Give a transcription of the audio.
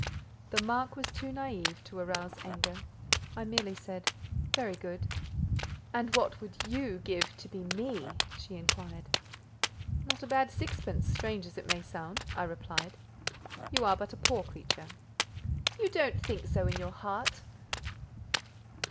The remark was too naïve to rouse anger; I merely said: "Very good." "And what would you give to be ME?" she inquired. "Not a bad sixpence—strange as it may sound," I replied. "You are but a poor creature." "You don't think so in your heart."